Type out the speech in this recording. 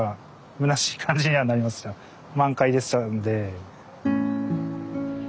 満開でしたんで。